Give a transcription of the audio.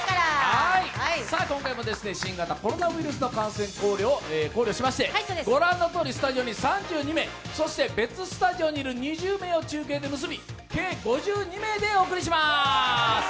今回も新型コロナウイルスの感染を考慮しまして、御覧のとおり、スタジオに３２名、そして別スタジオにいる２０名を中継で結び計５２名でお送りします。